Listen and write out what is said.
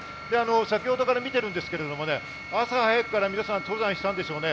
先ほどから見てるんですけれどもね、朝早くから皆さん登山したんでしょうね。